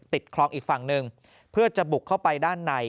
คลองอีกฝั่งหนึ่งเพื่อจะบุกเข้าไปด้านใน